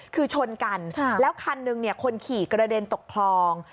คือชนกันแล้วคันหนึ่งคนขี่กระเด็นตกคลอง